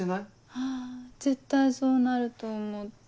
はぁ絶対そうなると思った。